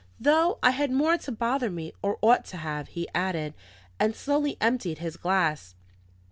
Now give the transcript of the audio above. "Though I had more to bother me, or ought to have," he added, and slowly emptied his glass.